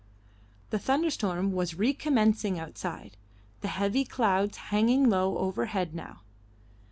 The thunderstorm was recommencing outside, the heavy clouds hanging low overhead now.